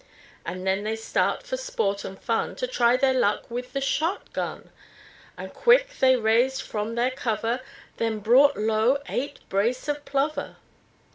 And then they start for sport and fun, To try their luck with the shot gun, And quick they raised from their cover, Then brought low eight brace of plover.